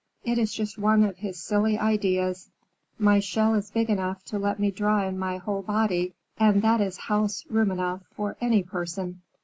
"It is just one of his silly ideas. My shell is big enough to let me draw in my whole body, and that is house room enough for any person!"